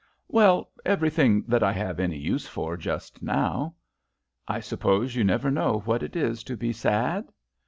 "Well, everything that I have any use for just now." "I suppose you never know what it is to be sad?"